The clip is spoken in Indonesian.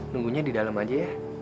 nunggunya di dalam aja ya